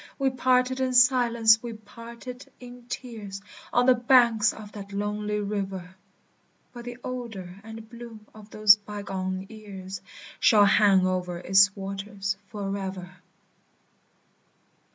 We parted in silence, we parted in tears, On the banks of that lonely river: But the odor and bloom of those bygone years Shall hang o'er its waters forever.